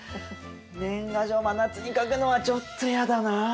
年賀状真夏に書くのはちょっとやだな。